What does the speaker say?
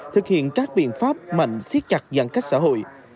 thực hiện các biện pháp mạnh siết chặt giãn cách xã hội